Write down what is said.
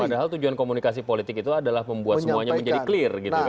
padahal tujuan komunikasi politik itu adalah membuat semuanya menjadi clear gitu ya